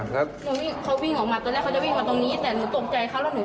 ๕ทุ่มกว่า